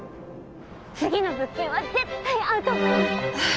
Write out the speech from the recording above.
次の物件は絶対合うと思います。